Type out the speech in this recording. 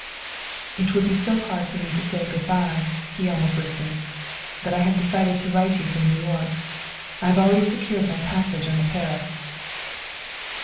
"It would be so hard for me to say 'Good bye," he almost whispered, "that I have decided to write you from New York. I have already secured my passage on the 'Paris.'"